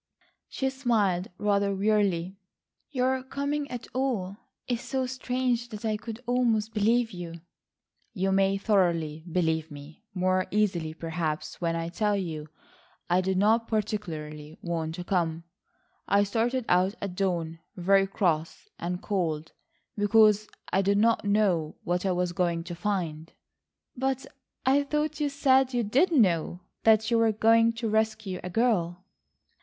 She smiled rather wearily, "Your coming at all is so strange that I could almost believe you." "You may thoroughly believe me, more easily perhaps when I tell you I did not particularly want to come. I started out at dawn very cross and cold because I did not know what I was going to find...." "But I thought you said you did know that you were going to rescue a girl?"